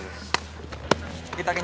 terima kasih alex